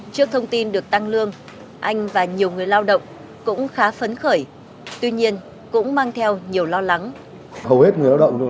trước thông tin được tăng lương anh và nhiều người lao động cũng khá phấn khởi tuy nhiên cũng mang theo nhiều lo lắng